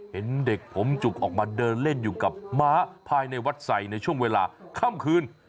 เห็นเด็กผมจุกออกมาเดินเล่นอยู่กับม้าภายในวัดใส่ในช่วงเวลาค่ำคืน